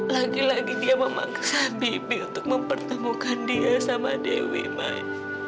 lagi lagi dia memaksa bibi untuk mempertemukan dia sama dewi main